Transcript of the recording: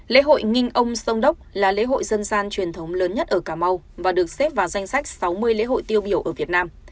lễ hội kinh ông sông đốc là lễ hội dân gian truyền thống lớn nhất ở cà mau và được xếp vào danh sách sáu mươi lễ hội tiêu biểu ở việt nam